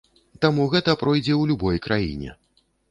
Таму гэта пройдзе ў любой краіне.